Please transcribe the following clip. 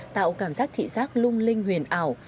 tạo cảm giác thị giác lung linh huyền ảo